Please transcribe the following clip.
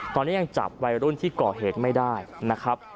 ตอนนี้ยังจับวัยรุ่นที่ก่อเหตุไม่ได้นะครับ